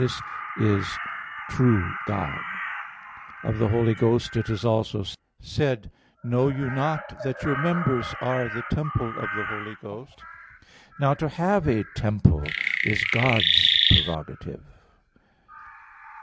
This is true God" (1 John 5:20). Of the Holy Ghost it is also said, "Know you not that your members are the temple of the Holy Ghost?" (1 Cor. 6:19). Now, to have a temple is God's prerogative.